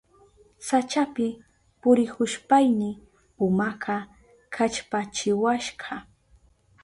Sachapi purihushpayni pumaka kallpachiwashka.